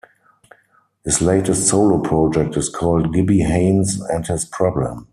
His latest solo project is called Gibby Haynes and His Problem.